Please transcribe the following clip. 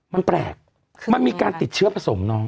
มันแปลกมันมีการติดเชื้อผสมน้อง